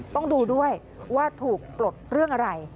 ต้องดูด้วยว่าถูกปลดเรื่องอะไร